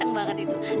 terima kasih sama gue